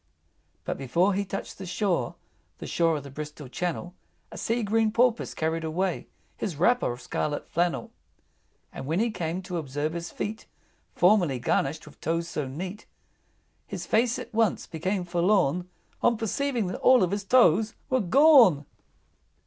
IV. But before he touched the shore, The shore of the Bristol Channel, A sea green Porpoise carried away His wrapper of scarlet flannel. And when he came to observe his feet, Formerly garnished with toes so neat, His face at once became forlorn On perceiving that all his toes were gone!